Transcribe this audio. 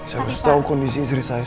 saya mesti tahu kondisi istri saya